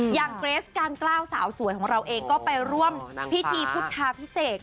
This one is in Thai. เกรสการกล้าวสาวสวยของเราเองก็ไปร่วมพิธีพุทธาพิเศษ